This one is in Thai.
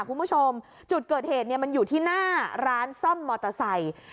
คุณผู้ชมจุดเกิดเหตุเนี่ยมันอยู่ที่หน้าร้านซ่อมมอเตอร์ไซค์